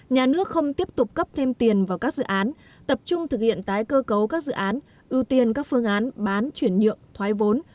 nhà nước không tiếp tục cấp thêm tiền vào các dự án tập trung thực hiện tái cơ cấu các dự án ưu tiên các phương án bán chuyển nhượng thoái vốn